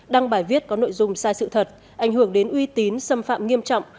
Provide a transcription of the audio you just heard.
đăng bài viết có nội dung sai sự thật ảnh hưởng đến uy tín xâm phạm nghiêm trọng